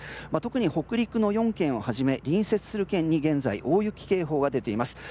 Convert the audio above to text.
特に北陸の４県をはじめ隣接する県に現在、大雪警報が出ています。